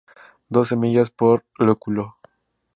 Dos semillas por lóculo.